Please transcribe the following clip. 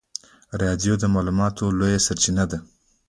رادیو د معلوماتو لویه سرچینه ده.